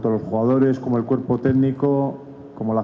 tapi sama ada pemain kakak teknik dan pasangan